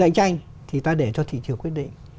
cạnh tranh thì ta để cho thị trường quyết định